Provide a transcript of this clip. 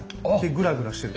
グラグラしてる。